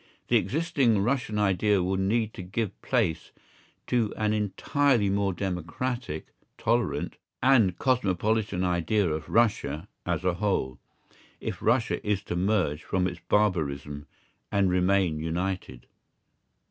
The existing Russian idea will need to give place to an entirely more democratic, tolerant, and cosmopolitan idea of Russia as a whole, if Russia is to merge from its barbarism and remain united.